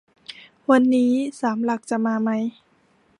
วันนี้ สามหลักจะมาไหม